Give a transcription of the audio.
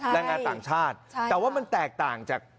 แรงงานต่างชาติแต่ว่ามันแตกต่างจาก